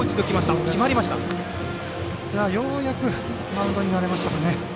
ようやく、マウンドに慣れましたかね。